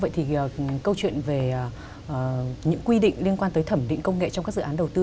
vậy thì câu chuyện về những quy định liên quan tới thẩm định công nghệ trong các dự án đầu tư